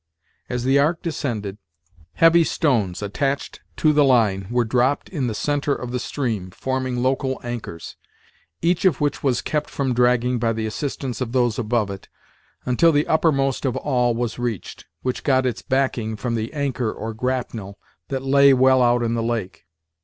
As the ark descended, heavy stones, attached to the line, were dropped in the centre of the stream, forming local anchors, each of which was kept from dragging by the assistance of those above it, until the uppermost of all was reached, which got its "backing" from the anchor, or grapnel, that lay well out in the lake.